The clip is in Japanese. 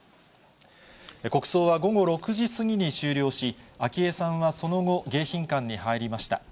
国葬は午後６時過ぎに終了し、昭恵さんはその後、迎賓館に入りました。